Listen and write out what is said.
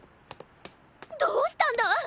どうしたんだ？